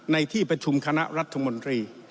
ในที่ประชุมคณะรัฐมนตรี